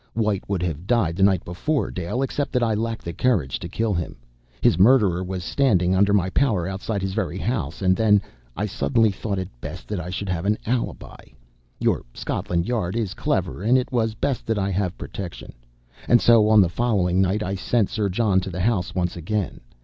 White would have died the night before, Dale, except that I lacked the courage to kill him. His murderer was standing, under my power, outside his very house and then I suddenly thought it best that I should have an alibi. Your Scotland Yard is clever, and it was best that I have protection. And so, on the following night, I sent Sir John to the house once again.